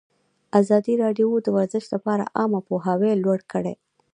ازادي راډیو د ورزش لپاره عامه پوهاوي لوړ کړی.